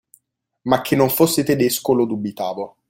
Ma che non fosse tedesco lo dubitavo.